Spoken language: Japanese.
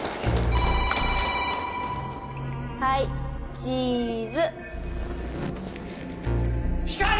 はいチーズ光莉！